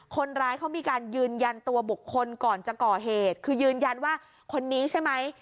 คนร้ายเขามีการยืนยันตัวบุคคลก่อนจะก่อเหตุคือยืนยันว่าคนนี้ใช่ไหม